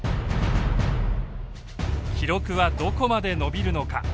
記録はどこまで伸びるのか。